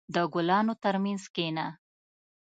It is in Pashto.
• د ګلانو ترمنځ کښېنه.